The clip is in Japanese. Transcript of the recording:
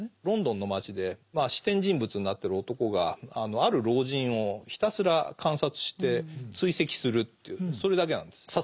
ロンドンの街でまあ視点人物になってる男がある老人をひたすら観察して追跡するというそれだけなんです。